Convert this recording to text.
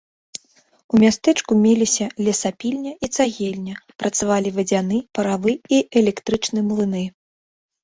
У мястэчку меліся лесапільня і цагельня, працавалі вадзяны, паравы і электрычны млыны.